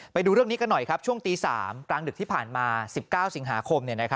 ไปดูเรื่องนี้กันหน่อยครับช่วงตี๓กลางดึกที่ผ่านมา๑๙สิงหาคม